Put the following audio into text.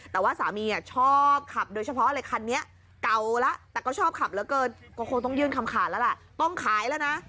แต่ว่าสามีชอบขับโดยเฉพาะอะไรคันนี้เก่าแล้วแต่ก็ชอบขับเหลือเกินก็คงต้องยื่นคำขาดแล้วล่ะต้องขายแล้วนะ